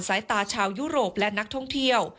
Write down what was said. สายตาชาวยุโรปและนักท่องเที่ยว